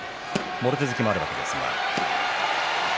もろ手突きもあるわけですが。